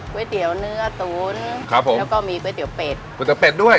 ก๋วยเตี๋ยวเนื้อตุ๋นครับผมแล้วก็มีก๋วยเตี๋เป็ดก๋วยเตี๋เป็ดด้วย